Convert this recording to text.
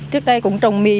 trước đây cũng trồng mì